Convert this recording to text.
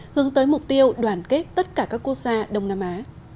hướng tới mục tiêu đoàn kết tất cả các quốc gia đông nam á